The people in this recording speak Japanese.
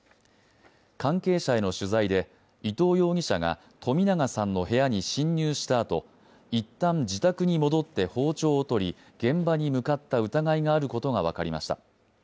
関係者への取材で、伊藤容疑者が冨永さんの部屋に侵入したあと一旦、自宅に戻って包丁を取り現場に向かった疑いがあることが分かりました。